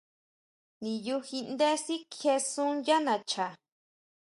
Niʼyujinʼndé sikjiʼesun yá nacha.